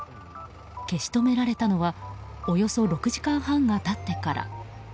消し止められたのはおよそ６時間半が経ってから。